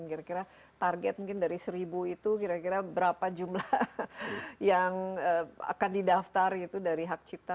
kira kira target mungkin dari seribu itu kira kira berapa jumlah yang akan didaftar gitu dari hak cipta